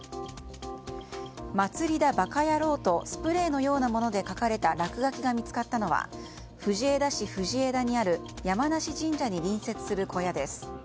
「まつりだバカヤロー」とスプレーのようなもので書かれた落書きが見つかったのは藤枝市藤枝にある月見里神社に隣接する小屋です。